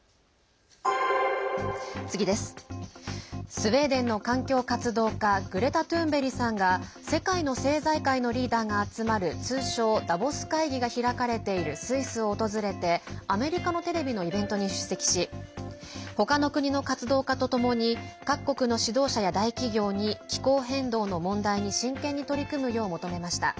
スウェーデンの環境活動家グレタ・トゥーンベリさんが世界の政財界のリーダーが集まる通称ダボス会議が開かれているスイスを訪れてアメリカのテレビのイベントに出席し他の国の活動家とともに各国の指導者や大企業に気候変動の問題に真剣に取り組むよう求めました。